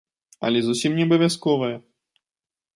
Але зусім не абавязковая.